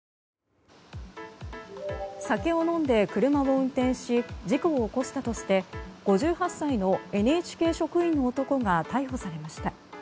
酒を飲んで車を運転し事故を起こしたとして５８歳のＮＨＫ職員の男が逮捕されました。